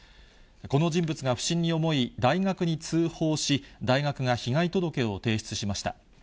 この人物が不審に思い、大学に通報し、大学が被害届を提出しました。